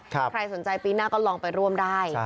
ใครสนใจปีหน้าก็ลองไปร่วมได้